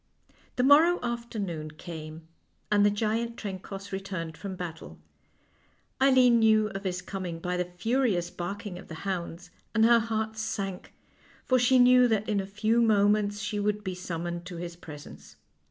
The morrow afternoon came, and the giant Trencoss returned from battle. Eileen knew of his coming by the furious barking of the hounds, and her heart sank, for she knew that in a few moments she would be summoned to his presence.